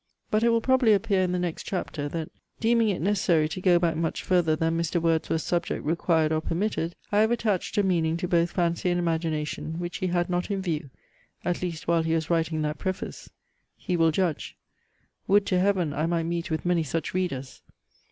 But it will probably appear in the next chapter, that deeming it necessary to go back much further than Mr. Wordsworth's subject required or permitted, I have attached a meaning to both Fancy and Imagination, which he had not in view, at least while he was writing that preface. He will judge. Would to Heaven, I might meet with many such readers!